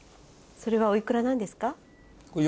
それはお幾らなんですか？